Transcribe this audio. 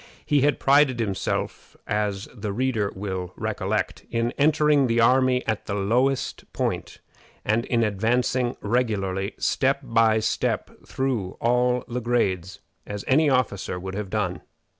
He had prided himself, as the reader will recollect, in entering the army at the lowest point, and in advancing regularly, step by step, through all the grades, as any other officer would have done.